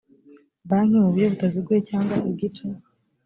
banki mu buryo butaziguye cyangwa igice